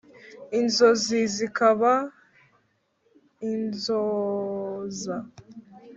Inzozi zikaba inzoza